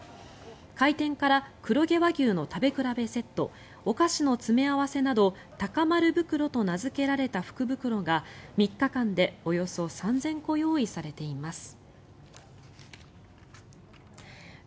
開店から黒毛和牛の食べ比べセットお菓子の詰め合わせなど鷹丸袋と名付けられた福袋が３日間でおよそ３０００個用意されています。